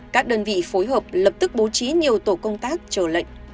các đơn vị phối hợp lập tức bố trí nhiều tổ công tác chờ lệnh